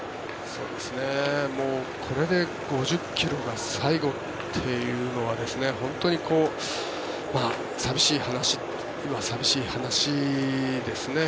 これで５０ｋｍが最後というのは本当に寂しい話ですね。